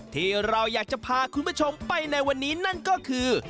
ที่เราอยากจะพาคุณผู้ชมไปในวันนี้นั่นก็คือ